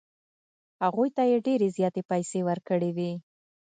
هغوی ته یې ډېرې زیاتې پیسې ورکړې وې.